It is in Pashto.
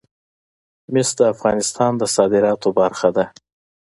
مس د افغانستان د صادراتو برخه ده.